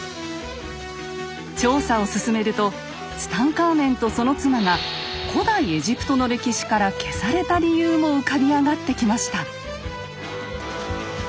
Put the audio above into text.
調査を進めるとツタンカーメンとその妻が古代エジプトの歴史から消された理由も浮かび上がってきました。